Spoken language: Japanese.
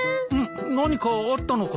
何かあったのかい？